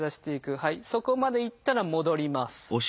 そこまで行ったら戻ります。